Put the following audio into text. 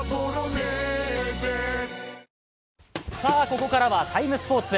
ここからは「ＴＩＭＥ，スポーツ」。